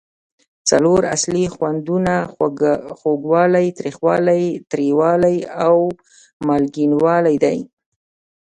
څلور اصلي خوندونه خوږوالی، تریخوالی، تریوالی او مالګینو والی دي.